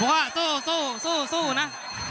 บุค่ะสู้สู้สู้สู้นะ